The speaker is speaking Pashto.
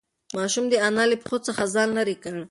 ماشوم د انا له پښو څخه ځان لیرې کړ.